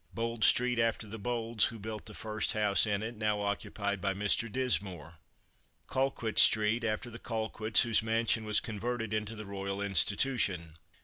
Bold street after the Bolds, who built the first house in it: now occupied by Mr. Dismore. Colquitt street after the Colquitts, whose mansion was converted into the Royal Institution.